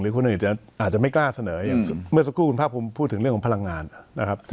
คนอื่นอาจจะไม่กล้าเสนออย่างเมื่อสักครู่คุณภาคภูมิพูดถึงเรื่องของพลังงานนะครับ